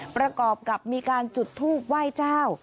ประกอบกับมีการจุดทูบไหว้เจ้า